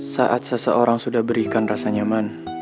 saat seseorang sudah berikan rasa nyaman